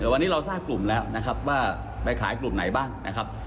แต่วันนี้เราทราบกลุ่มแล้วนะครับว่าไปขายกลุ่มไหนบ้างนะครับ